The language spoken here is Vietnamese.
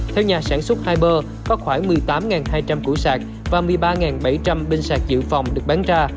theo nhà sản xuất hiber có khoảng một mươi tám hai trăm linh củ sạc và một mươi ba bảy trăm linh binh sạc dự phòng được bán ra